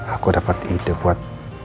aku dapat ide buat